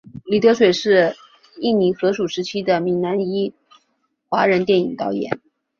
李德水是印尼荷属时期的闽南裔华人电影导演。